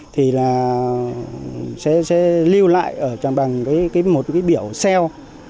thì là sẽ lưu lại bằng một cái biểu xeo